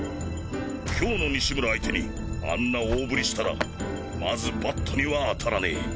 今日の西村相手にあんな大振りしたらまずバットには当たらねぇ。